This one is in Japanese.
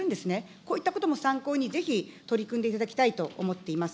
こういったことも参考に、ぜひ取り組んでいただきたいと思っております。